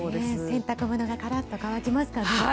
洗濯物がカラッと乾きますね。